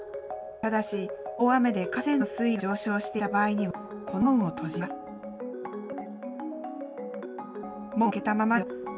ただし、大雨で河川の水位が上昇していた場合には、この門を閉じます。